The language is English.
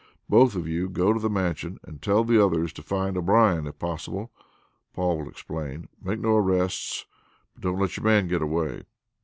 Both of you go to the Mansion and tell the others to find O'Brien, if possible. Paul will explain. Make no arrests, but don't let your man get away."